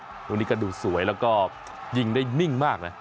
ตรงนี้ก็ดูสวยแล้วก็ยิงได้นิ่งมากเลย